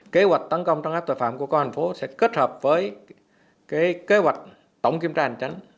kế hoạch tấn công trong các tội phạm của công an tp hcm sẽ kết hợp với kế hoạch tổng kiểm tra hành tránh